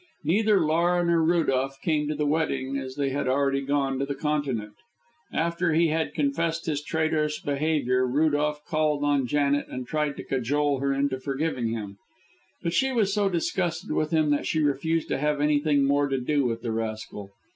Neither Laura nor Rudolph came to the wedding, as they had already gone to the Continent. After he had confessed his traitorous behaviour, Rudolph called on Janet and tried to cajole her into forgiving him. But she was so disgusted with him that she refused to have anything more to do with the rascal.